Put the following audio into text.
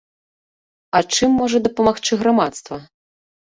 А чым можа дапамагчы грамадства?